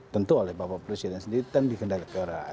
tentu oleh bapak presiden sendiri dan dikendaki orang lain